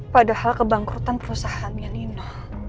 padahal kebangkrutan perusahaannya nino